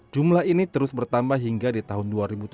jumlah ini terus bertambah hingga di tahun dua ribu tujuh belas